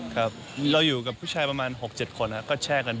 ยินดีครับชอบของแปลกครับ